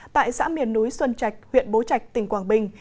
tại xã miền núi xuân trạch huyện bố trạch tỉnh quảng bình